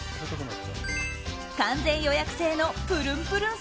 完全予約制のプルンプルン